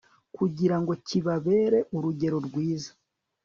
kugira ngo kibabere urugero rwiza